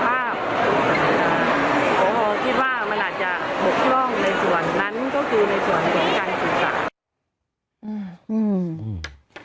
เขาคิดว่ามันอาจจะบกล้องในส่วนนั้นก็คือในส่วนเหมือนการสูตร